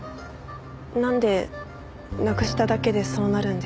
なんでなくしただけでそうなるんですか？